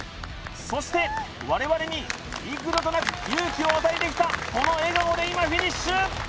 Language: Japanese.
そして我々に幾度となく勇気を与えてきたこの笑顔で今フィニッシュ！